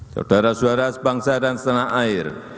saudara saudara sebangsa dan setanah air